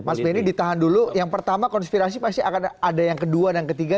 mas benny ditahan dulu yang pertama konspirasi pasti akan ada yang kedua dan ketiga